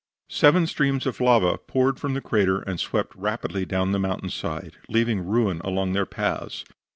Seven streams of lava poured from the crater and swept rapidly down the mountain side, leaving ruin along their paths.